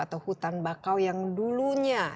atau hutan bakau yang dulunya